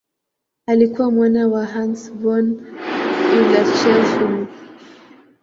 Alikuwa mwana wa Hans von Euler-Chelpin.